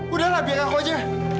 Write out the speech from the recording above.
udah lah biarkan aku aja